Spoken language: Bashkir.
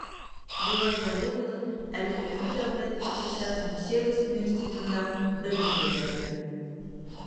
— Юлай Вәли улы, әле Өфө дәүләт иҡтисад һәм сервис университетында белем бирәһегеҙ.